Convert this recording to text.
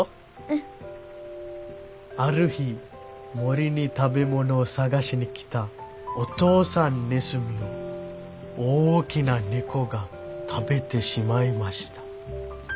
「ある日森に食べ物を探しに来たお父さんネズミを大きな猫が食べてしまいました。